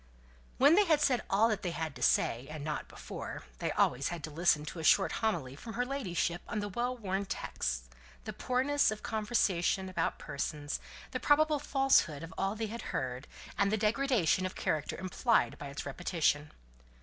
When they had said all that they had to say (and not before), they had always to listen to a short homily from her ladyship on the well worn texts, the poorness of conversation about persons, the probable falsehood of all they had heard, and the degradation of character implied by its repetition.